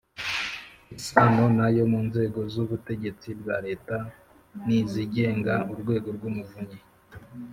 isano na yo mu nzego zubutegetsi bwa Leta nizigenga Urwego rwUmuvunyi